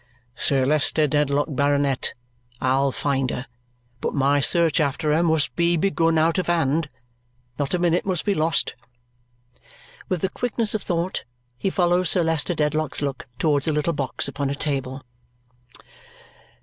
"Sir Leicester Dedlock, Baronet, I'll find her. But my search after her must be begun out of hand. Not a minute must be lost." With the quickness of thought, he follows Sir Leicester Dedlock's look towards a little box upon a table.